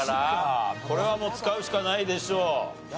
これはもう使うしかないでしょう。